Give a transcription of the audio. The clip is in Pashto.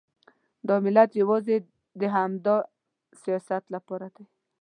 دا ملت یوازې د همدا سیاست لپاره دی.